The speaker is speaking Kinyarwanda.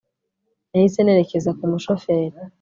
Nahise nerekeza ku mushoferi